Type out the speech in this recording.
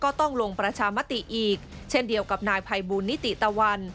ต้องลงประชามติอีกเช่นเดียวกับนายภัยบูลนิติตะวัน